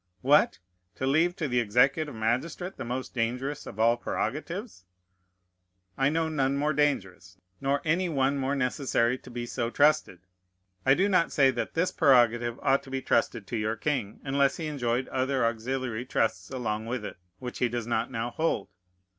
What! to leave to the executive magistrate the most dangerous of all prerogatives? I know none more dangerous; nor any one more necessary to be so trusted. I do not say that this prerogative ought to be trusted to your king, unless he enjoyed other auxiliary trusts along with it, which he does not now hold.